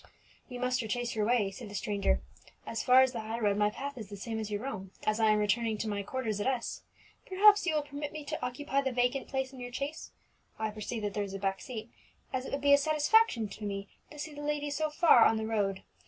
"You must retrace your way," said the stranger. "As far as the high road my path is the same as your own, as I am returning to my quarters at S . Perhaps you will permit me to occupy the vacant place in your chaise (I perceive that there is a back seat), as it would be a satisfaction to me to see the lady so far safe on the road.